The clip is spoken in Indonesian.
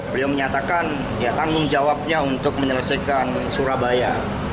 beliau menyatakan ya tanggung jawabnya untuk menyelesaikan surabaya